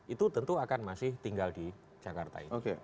itu tentu akan masih tinggal di jakarta ini